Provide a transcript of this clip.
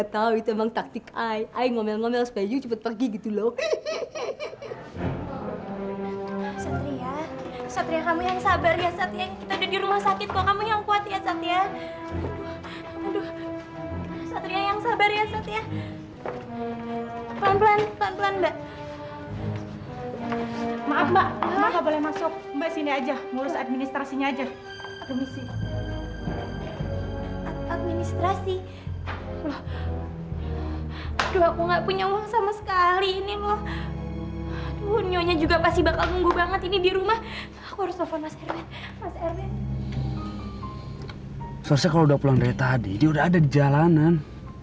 suaranya kalau udah pulang dari tadi dia udah ada di jalanan